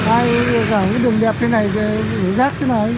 ai có cả một đường đẹp thế này để đổ rác chứ mà